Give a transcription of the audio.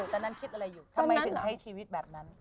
ตอนนั้นคิดอะไรอยู่ทำไมถึงใช้ชีวิตแบบนั้น